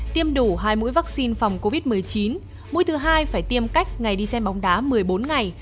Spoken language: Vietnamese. tiêm đủ hai mũi vaccine phòng covid một mươi chín mũi thứ hai phải tiêm cách ngày đi xem bóng đá một mươi bốn ngày